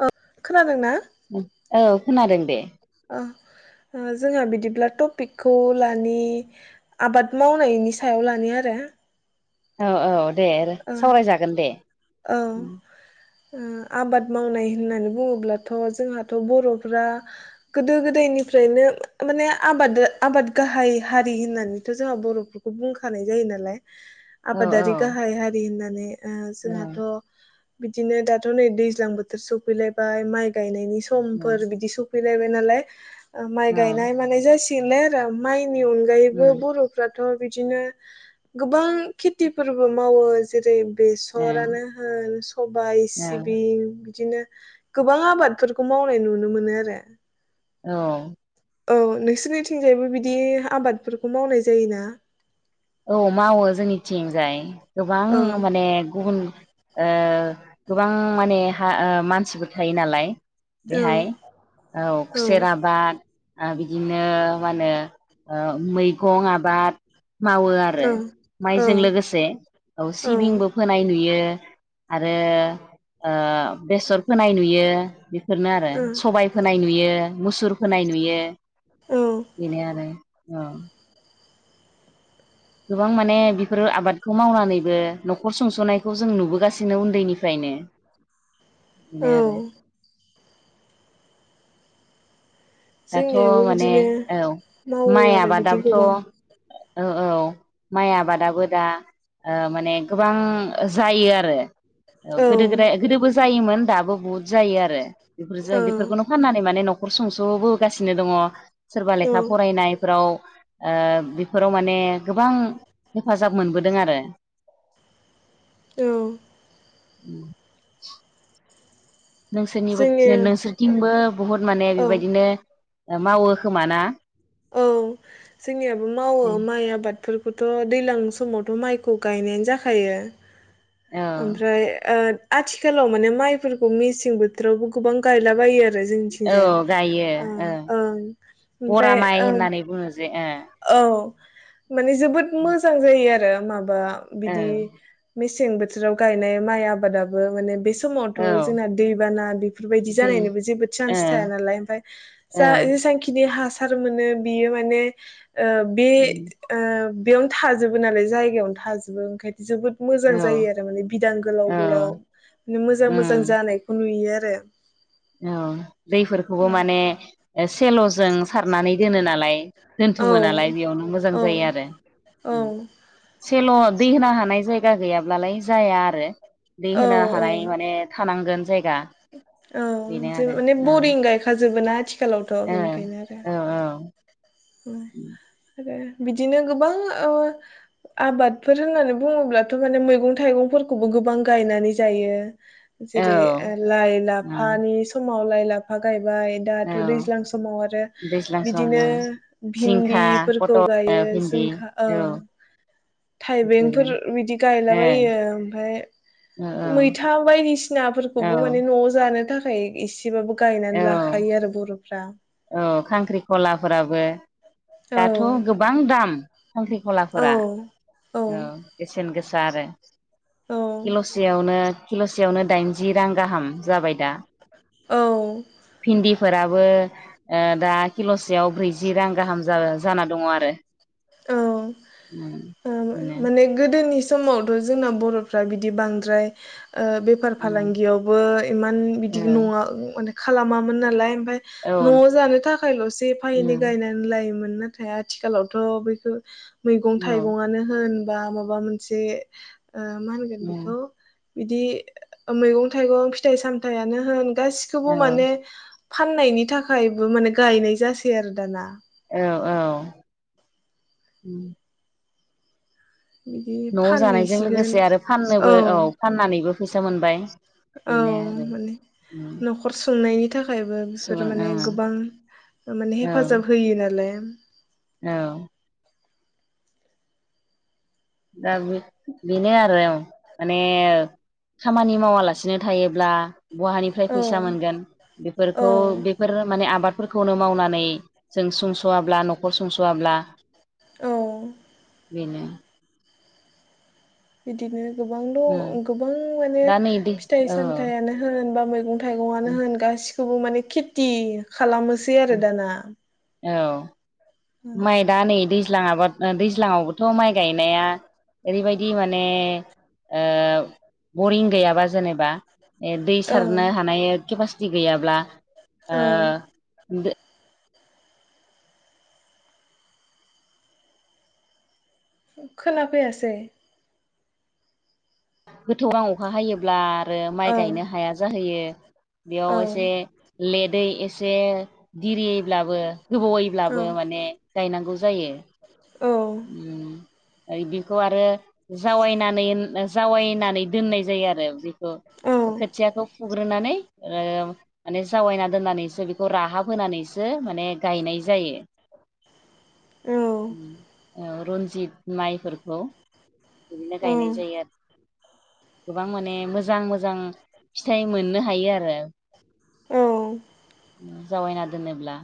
औ खोनादों ना? औ खोनादों दे। ब्ला टपिकखौ लानि आबाद मावनायनि सायाव लानि आरो। औ औ। दे आरो ओ सावरायजागोन दे। औ ओ आबाद मावनाय होननानै बुङोब्लाथ' जोंहाथ' बर'फ्रा गोदो गोदायनिफ्रायनो माने आबाद आबाद गाहाय हारि होननानैथ' जोंहा बर'फोरखौ बुंखानाय जायो नालाय। औ आबादारि गाहा हारि होननानै। ओ औ जोंहाथ' बिदिनो दाथ' नै दैज्लां बोथोर सफैलायबाय माइ गायनायनि समफोर बिदि सु फैलायबाय नालाय ओ‌ माइ औ गायनाय मानाय जासिग आरो उमफाय नि अनगायैबो बरफ्रा थ बिदिनो गोबां खेथिफोर बो मावो जेरै बेसरानो होन सबाय सिबिं बिदिनो गोबां आबादफोरखौ मावनाय नुनो मोनो आरो औ औ नोंसोरनिथिंजायबो बिदि आबादफोरखौ मावनाय जायोना? औ मावो जोंनिथिंजाय गोबां औ माने गुबुन ओ गोबां माने हा ओ मानसिबो थायो नालाय औ बेहाय औ खुसेराबाद आ बिदिनो मा होनो ओ मैगं आबाद मावो आरो औ माइजों लोगोसे औ सिबिंबो फोनाय नुयो आरो ओ बेसर फोनाय नुयो बेफोरनो आरो सबाय फोनाय नुयो मुसुर फोनाय नुयो ओ औ बेनो आरो औ गोबां माने बेफोरो आबाद बेखौ मावनानैबो न'खर सुंस'नायखौ जों नुबो गासिनो उन्दैनिफ्रायनो बेनो आरो औ दाथ जोंनियाबो माने बिदिनो औ मावो माइ आरो बिदि आबादाबोथ गोबां औ औ माइ आबादाबो दा ओ माने गोबां जायो आरो औ गोदो गोदाय गोदोबो जायोमोन दाबो बहुद जायो आरो औ बेफोरजों बेफोरखौनो फाननानै माने नखर संसबो गासिनो दङ सोरबा लेखा औ फरायनायफोराव ओ बेफोराव माने गोबां हेफाजाब मोनबोदों आरो औ उम नोंसोरनिबो जोंनि नोंसोरथिंबो बुहुत माने औ बेबायदिनो मावो खोमाना? औ जोंनियाबो मावो माइ आबाद बेफोरफोरखौथ दैलां समावथ माइखौ गायनायानो जाखायो औ ओमफ्राय ओ आथिखालाव माने माइफोरखौ मेसें बोथोरावबो गोबां गायलाबायो। आरो औ जोंनिथिंजाय गायो ओ ओं बरा ओमफ्राय माइ ओं होननानै बुङो जे ओ औ माने जोबोद मोजां जायो आरो माब बा बिदि मेसें बोथोराव गायनाय माइ आबादो माने बेसे औ औ जोंना दैबाना बेफोरबायदि दै जानायनिबो जेबो चान्स ओ थायानालाय ओमफ्राय औ जा जेसांखिनि हासा मोनो बियो माने ओ से ओ बेयावनो थाजोबो नालाय जायगायावनो थाजोबो ओंखायनो जोबोद मोजां औ जायो आरो माने बिदां गोलाव गोलाव माने इदिनो मोजां मोजां उम जानायखौ नुयो आरो। बे औ दैफोरखौबो माने एसेलजों सारनानै दोनो नालाय औ दोनथुमो नालाय बेयावनो मोजां जायो आरो औ उम। सेल दै होनो हानाय जायगा गैयाब्लाालाय जाया आरो दै औ होनो हानाय औ माने थानांगोन। जायगा [inaudible] औ बेनो जो आरो माने बरिं गायखा जो जोबोना आथि खालावथ औ बेनिखायनो आरो औ उम आरो बिदिनो गोबां ओ आबादफोर होननानै बुङोब्लाथ माने मैगं थाइगंफोरखौबो गोबां गायनानै जायो। औ जेरै लाइ औ लाफानि सम मावलाय लाय लाफा गाय बाय दाथ औ दैज्लां समाव आरो दैज्लां सम बिदिनो औ जिंखा भिन्दिफोरखौ पटल गायो भिन्दि जिंखा ओ औ बेफोरो थाइबेंफोर बिदि औ गायलाबायो ओमफाय औ मैथा बायदिसिनाफोरखौबो माने न'आव जाय जानो थाखाय एसे बिबाबो औ गायनानै औ लाखायो आरो बर'फ्रा। औ खांख्रिख'लाफोराबो। औ दाथ' गोबां दाम औ खांख्रिख'खलाफोरा औ बेसेन गोस सा आरो। औ किल'सेयावनो किल'सेयावनो दाइनजि रां गाहाम जाबाय दा। औ भिन्दि फोराबो ओ दा किल'स सेयाव ब्रैजि रां गाहाम जा जाना दङ आरो। औ उम ओ बिनो माने गोदोनि समावथ' जोंना बर'फ्रा बिदि बांद्राय ओ बेफार उम फालांगियावबो इमान औ बिदि नङा माने खालामामोन नालाय ओमफ्राय औ न'आव जानो थाखायल'स एफा एनै उम गायनानै लायोमोन। नाथाया आथिखालावथ' [unintelligible] मैगं औ थाइगंआनो होन बा माबा मोनसे ओ मा होनगोन उम बेखौ बिदि मैगं थाइगं फिथाइ सामथायानो होन गासिखौबो औ माने फाननायनि थाखायबो माने गायनाय जासै आरो दाना औ औ। बिदि न' जानायजों फानहैसिगोन लोगोसे आरो फाननोबो औ फाननानैबो फैसा मोनबाय औ बेनो आरो माने उम न'खर संनायनि थाखायबो बेफोरो सुबुं माने ओं गोबां माने औ हेफाजाब होयो नालाय। औ। दा बो बेनो आरो माने खामानि मावालासिनो थायोब्ला बहानिफ्राय औ फैसा मोनगोन औ बेफोरखौ बेफोर माने आबाद फोरखौनो मावनानै जों सुंस सुस'वाब्ला न'खर संस'वाब्ला औ बेनो बिदिनो गोबां दं उम गोबां माने दा नै दै फिथाइ औ सामथाइआनो होन बा मैगं थाइगंआनो होन गासि सब माने खेथि खालामोसै आरो दाना। औ। माइ दा नै दै दैज्लां आबाद दैज्लांआवबोथ' माइ गायनाया ओरैबायदि माने बरिं गैयाबा जेनेबा दै औ सारनो हानाय केपासि ति गैयाब्ला औ ओ खोना फैयासै गोथौ [unintelligible] अखा हायो ब्ला आरो माइ औ गायनो हाया जाहैयो औ बेयाव एसे लेदै से दिरियैब्लाबो गोबावैब्लाबो औ माने गायनांगौ जायो। [unintelligible] औ उम [unintelligible] बेखौ आरो जावायनानै [unintelligible] जावायनानै दोननाय जायो आरो बेखो खोथियाखौ फुग्रोनानै ओ माने जावायना दोननानैसो बेखौ राहाब होनानैसो माने गायनाय जायो। औ रन्जित माइफोरखौ बिदिनो औ गायनाय जायो आरो गोबां माने मोजां मोजां फिथाइ मोननो हायो आरो औ जावायना दोनोब्ला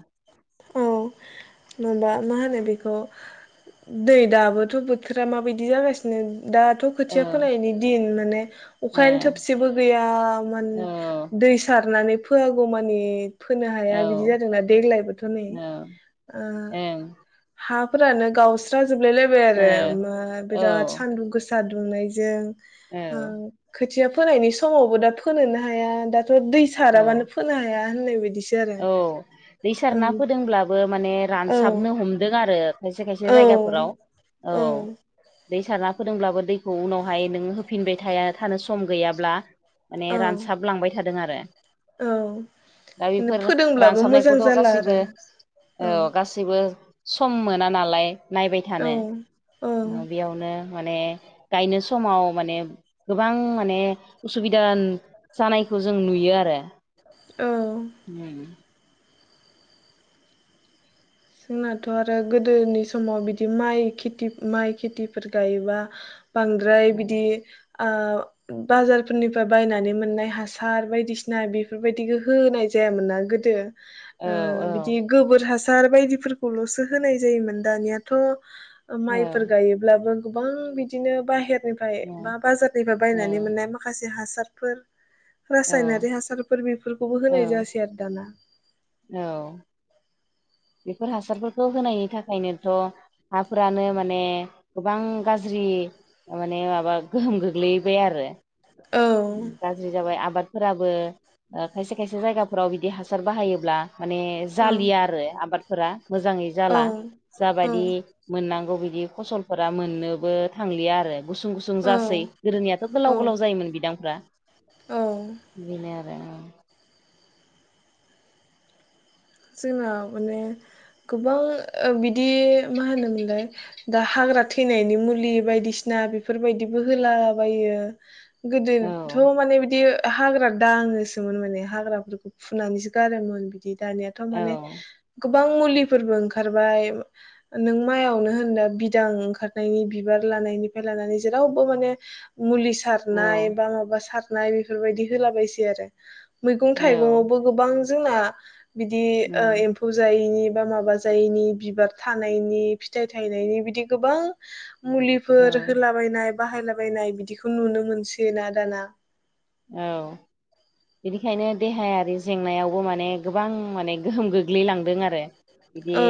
नुबा मा होनो बेखौ दै दाबोथ' बोथोरा माबायदि जागासिनो दाथ' औ खोथिया फोनायनि दिन माने ओ अखायानो थोबसेबो गैयामोन औ दै सारनानै फोआगौमानि फोनो औ हाया बिदि जादोंना देग्लायबोथ' नै ओ ओं हा फोरानो गावस्रा। जोबलायलायबाय आरो उमफाय बिराद औ सान्दुं गोसा। सा दुंनायजों। ओं खोथिया। फोनायनि समावबो दा फोनोनो हाया दा। दै औ साराबानो फोनो हाया। होननाय बायदि औ दै सारना फोदोंब्लाबो। माने औ रानसाबनो हमदों आरो। खायसे खायसे औ जायगाफोराव औ। दै सारना फोदोंब्लाबो दैखौ उनाव। हाय नोङो होफिनबाय थाया। थानो सम गैयाब्ला माने औ रानसाबलांबाय था दों आरो। औ। दा बेफोर फोदोंब्लाबो मोजां रानसाबनायखौथ' जाला आरो गासैबो औ। सम मोना नालाय। नायबाय औ थानो, औ बेयावनो। माने गायनो समाव माने गोबां माने उसुबिदान जानायखौ जों नुयो आरो। औ। उम। जोंनाथ'आरो गोदोनि समाव बिदि माइ खेति, माइ खेतिफोर गायोबा। बांद्राय बिदि। औ ओ बाजार फोरनिफ्राय बायनानै मोननाय हासार बायदिसिना बेफोरबायदिखौ होनाय जायामोनना गोदो। औ ओ बिदि औ गोबोर हा सार बायदि। फोरखौल'सो होनाय जायोमोन दानियाथ'। ओ औ माइफोर गायोब्लाबो। गोबां बिदिनो बाहेर। निफ्राय बा बाजारनिफ्राय बायनानै औ मोननाय माखासे हा सारफोर। औ रासायनारि हासारफोर बेफोरखौबो औ होनाय जासै आरो दाना। औ। बेफोर हासारफोरखौ होनायनि थाखायनोथ' हाफ्रिनो माने गोबां गाज्रि माने माबा गोहोम गोग्लैबाय आरो औ गाज्रि जाबाय आबाद फोराबो ओ खायसे खायसे जायगा फोराव बिदि हासार बाहायोब्ला माने औ जालिया आरो आबादफोरा मोजाङै औ जाला औ जाबायदि मोननांगौ बि दि फसलफोरा मोननोबो थांलिया आरो। गुसुं-गुसुं औ जासै गोदोनियाथ' औ गोलाव-गोलाव जायोमोन बिदां फ्रा औ बेनो आरो जोङा माने गोबां बिदि मा होनोमोनलाय दा हाग्रा थैनायनि मुलि बायदिसिना बेफोरबायदिबो होलाबायो। औ गोदोथ' माने बिदि हाग्रा दाङोसोमोन माने हाग्राफोरखौ फुनानैसो गारोमोन बिदि दानि थार औ माने गोबां मुलिफोरबो ओंखारबाय नों माइयावनो होनदा बिदां ओंखारनायनि बिबार लानायनिफ्राय लानानै जेरावबो माने मुलि औ सारनाय बा माबा सार नाय बेफोरबायदि होलाबायसै आरो मैगं औ थाइगङावबो गोबां जोंना बिदि ओ औ एम्फौ जायैनि बा माबा जायैनि बिबार थानायनि फिथाइ थायनायनि बिदि गोबां मुलिफोर औ होलाबायनाय बाहायलाबायनाय बिदिखौ नुनो मोनसै ना दाना औ बेनिखायनो देहायारि जेंनायावबो माने गोबां माने गोहोम गोग्लैलांदों आरो बिदि औ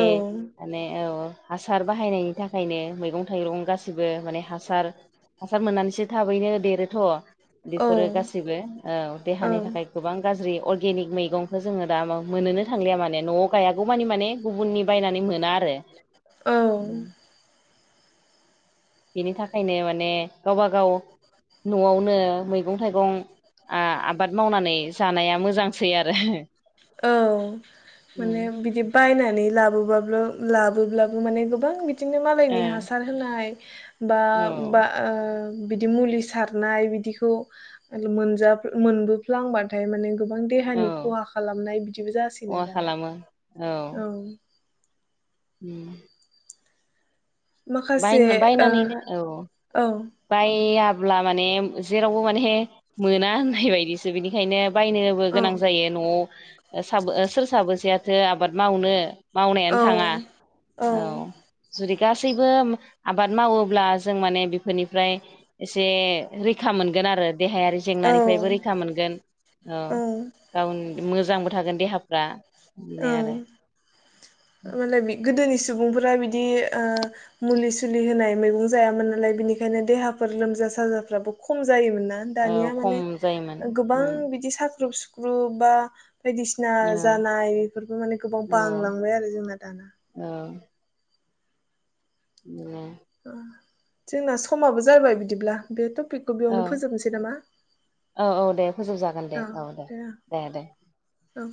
माने औ हासार बाहायनायनि थाखायनो मैगं थाइगं गासैबो माने हासार हासार मोननानैसो थाबैनो देरोथ'। बे औ फोरो गासिबो ओ औ देहानि थाखाय गोबां गाज्रि अ गेनिक मैगंखौ जोङो दा मोनोनो थांलिया माने न'आव गायागौ मानि माने गुबुननि बायनानै मोना आरो औ उम बिनि थाखायनो माने गावबा गाव न'आवनो मैगं थाइगं आ आबाद मावनानै जानाया मो औ उम माने बिदि बायना नै लाबोबाब्लो लाबोब्लाबो माने गोबां बि दिनो मालायनि ओ हासार होनाय बा बा औ ओ बिदि मुलि सारनाय बिदिखौ मोनजा मोनबोफ्लांबाथाय माने गोबां औ देहानि खहा खालामनाय बिदिबो जासै ना खहा दाना। खालामो औ उम माखासे ओ औ बायया ब्ला माने जेरावबो माने मोना होननाय बायदिसो बिनिखायनो बायनोबो औ गोनां जायो न'आव साब ओ सोर साबोसेयाथो आबाद मावनो मावनायानो औ थाङा औ जुदि गासैबो आबाद मावोब्ला जों माने बे फोरनिफ्राय एसे रैखा मोनगोन आरो देहायारि औ जेंनानिफ्रायबो रैखा मोनगोन औ गावनि मोजांबो थागोन देहाफ्रा औ बिदिनो आरो माने बि गोदोनि सुबुंफोरा बिदि ओ मुलि सुलि होनाय मैगं जायामोन नालाय बिनिखायनो देहाफोर लोमजा साजाफ्राबो खम जायोमोन ना औ दानिया खम माने जायोमोन गोबां बिदि साख्रुब सुु ख्रुब बा बायदिसिना औ जानाय बेफोर माने गोबां बांलांबाय आरो जोंना दाना ओं [unintelligible] जोंना समाबो जाबाय बिदिब्ला बेथ' औ औ औ दे फोजोबजागोन दे औ दे दे दे। औ